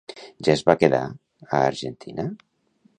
Ja es va quedar a Argentina?